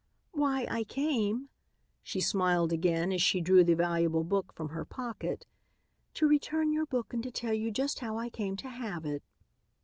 "Why I came," she smiled again, as she drew the valuable book from her pocket, "to return your book and to tell you just how I came to have it."